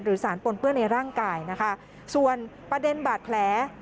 สารปนเปื้อนในร่างกายนะคะส่วนประเด็นบาดแผล